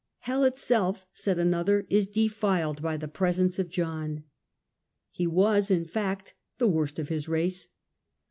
"Hell itself", said another, "is de filed by the presence of John." He was, in fact, the worst of his race.